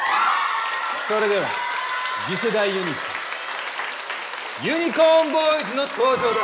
それでは次世代ユニットユニコーンボーイズの登場だ！！